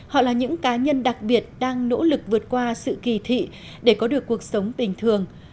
họ là những cá nhân đặc biệt đang nỗ lực vượt qua sự kỳ thị để có được cuộc sống bình thường